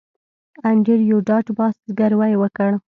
انډریو ډاټ باس زګیروی وکړ